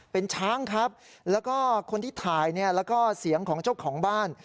เป็นช้างครับแล้วก็คนที่ถ่ายเนี่ยแล้วก็เสียงของเจ้าของบ้าน